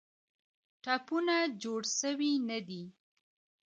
ټپونه جوړ سوي نه دي.